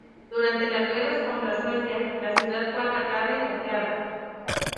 Durante las guerras contra Suecia, la ciudad fue atacada y saqueada.